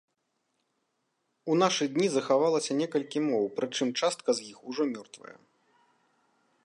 У нашы дні захавалася некалькі моў, прычым частка з іх ужо мёртвая.